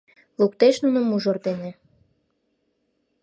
Луктеш нуным мужыр дене